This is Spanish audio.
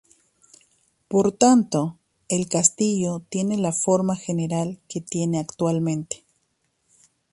Por tanto, el castillo tiene la forma general que tiene actualmente.